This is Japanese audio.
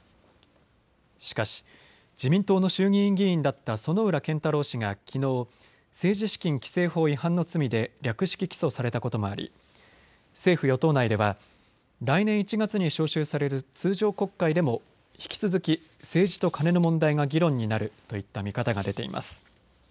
しかし自民党の衆議院議員だった薗浦健太郎氏がきのう、政治資金規正法違反の罪で略式起訴されたこともあり政府与党内では来年１月に召集される通常国会でも引き続き政治とカネの問題が議論になるといった見方が出ています。